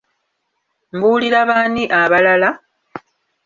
Mbuulira baani abalala?